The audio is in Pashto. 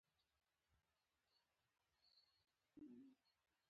د لیاقت معیار نه لرل سیستم خرابوي.